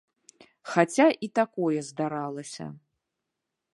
Хаця і такое здаралася.